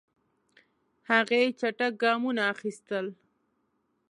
هغې چټک ګامونه اخیستل.